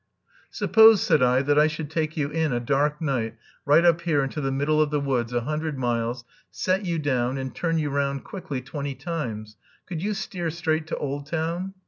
"Suppose," said I, "that I should take you in a dark night, right up here into the middle of the woods a hundred miles, set you down, and turn you round quickly twenty times, could you steer straight to Oldtown?"